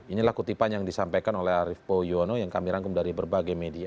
inilah kutipan yang disampaikan oleh arief poyono yang kami rangkum dari berbagai media